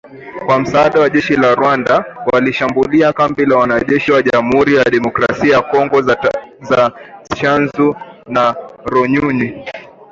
Kwa msaada wa jeshi la Rwanda, walishambulia kambi la Wanajeshi wa Jamhuri ya Kidemokrasia ya Kongo za Tchanzu na Runyonyi.